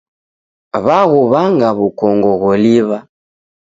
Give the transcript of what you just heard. W'aghuw'anga w'ukongo gholiw'a.